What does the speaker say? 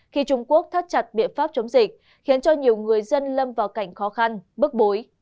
khi trung quốc thắt chặt biện pháp chống dịch khiến cho nhiều người dân lâm vào cảnh khó khăn bức bối